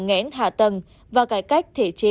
ngén hạ tầng và cải cách thể chế